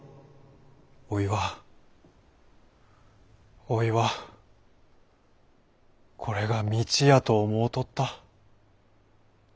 おいはおいはこれが道やと思うとった。